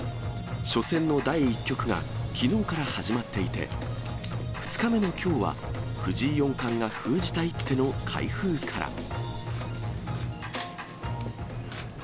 初戦の第１局がきのうから始まっていて、２日目のきょうは、藤井四冠が封じた一手の開封から。